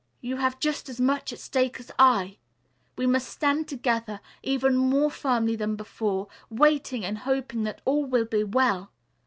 You have just as much at stake as I. We must stand together, even more firmly than before, waiting and hoping that all will be well.